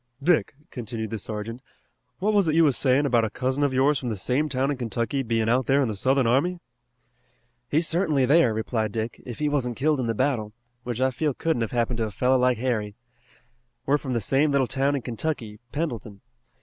"Dick," continued the sergeant, "what was it you was sayin' about a cousin of yours from the same town in Kentucky bein' out there in the Southern army?" "He's certainly there," replied Dick, "if he wasn't killed in the battle, which I feel couldn't have happened to a fellow like Harry. We're from the same little town in Kentucky, Pendleton.